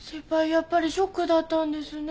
やっぱりショックだったんですね。